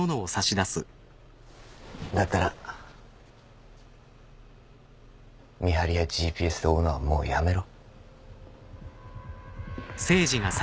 だったら見張りやＧＰＳで追うのはもうやめろ。